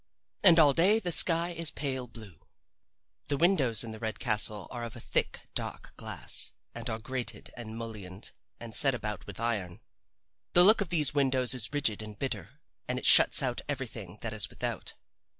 And all day the sky is pale blue. The windows in the red castle are of thick, dark glass and are grated and mullioned and set about with iron. The look of these windows is rigid and bitter and it shuts out everything that is without.